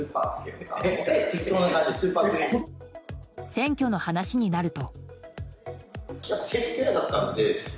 選挙の話になると。